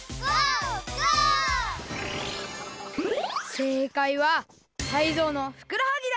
せいかいはタイゾウのふくらはぎだ！